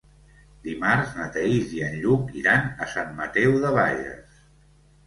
Dimarts na Thaís i en Lluc iran a Sant Mateu de Bages.